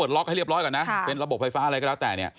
ล็อกให้เรียบร้อยก่อนนะเป็นระบบไฟฟ้าอะไรก็แล้วแต่เนี่ย